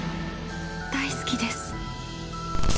大好きです